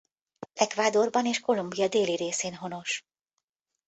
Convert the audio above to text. Ecuadorban és Kolumbia déli részén honos.